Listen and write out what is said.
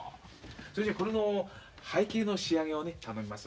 それじゃこれの背景の仕上げをね頼みます。